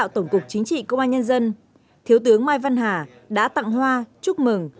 tổng cục chính trị công an nhân dân thiếu tướng mai văn hà đã tặng hoa chúc mừng